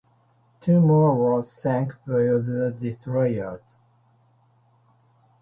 Two more were sunk by other destroyers.